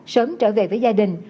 sớm trở về với gia đình